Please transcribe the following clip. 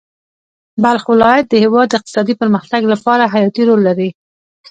بلخ ولایت د هېواد د اقتصادي پرمختګ لپاره حیاتي رول لري.